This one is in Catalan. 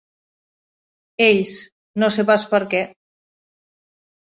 Ells, no sé pas per què.